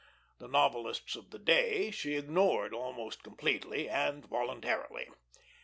The novelists of the day she ignored almost completely, and voluntarily.